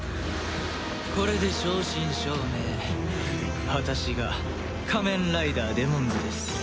これで正真正銘私が仮面ライダーデモンズです。